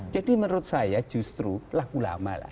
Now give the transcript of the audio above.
jadi menurut saya justru lagu lama lah